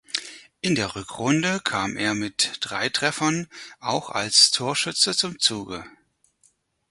In der Rückrunde kam er mit drei Treffern auch als Torschütze zum Zuge.